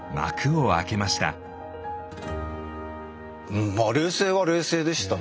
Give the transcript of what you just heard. うんまあ冷静は冷静でしたね